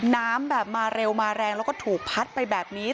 น้ำแบบมาเร็วมาแรงแล้วก็ถูกพัดไปแบบนี้